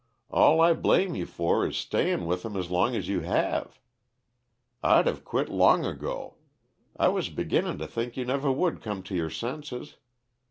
All I blame you for is stayin' with him as long as you have. I'd of quit long ago; I was beginnin' to think you never would come to your senses.